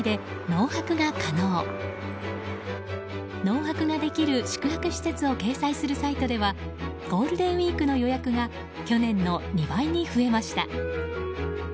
農泊ができる宿泊施設を掲載するサイトではゴールデンウィークの予約が去年の２倍に増えました。